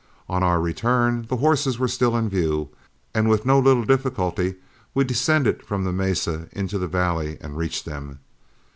On our return, the horses were still in view, and with no little difficulty, we descended from the mesa into the valley and reached them.